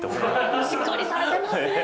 しっかりされてますね。